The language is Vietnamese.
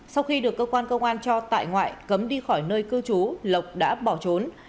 sau khi được cơ quan công an cho tại ngoại cấm đi khỏi nơi cư trú lộc đã bỏ trốn